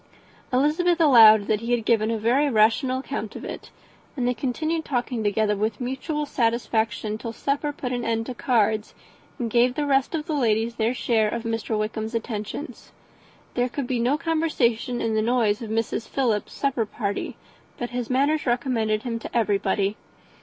Elizabeth allowed that he had given a very rational account of it, and they continued talking together with mutual satisfaction till supper put an end to cards, and gave the rest of the ladies their share of Mr. Wickham's attentions. There could be no conversation in the noise of Mrs. Philips's supper party, but his manners recommended him to everybody.